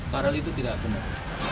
padahal itu tidak benar